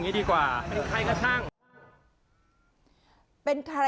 พี่แกบอกว่าคุณผู้ชมไปดูคลิปนี้กันหน่อยนะฮะ